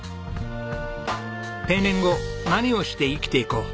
定年後何をして生きていこう？